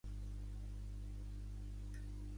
Demà faig denou anys.